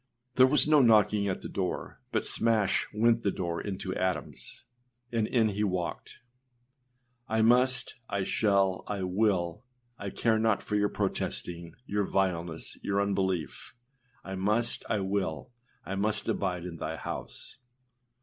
â There was no knocking at the door, but smash went the door into atoms! and in he walked: âI must, I shall, I will; I care not for your protesting your vileness, your unbelief; I must, I will; I must abide in thy house.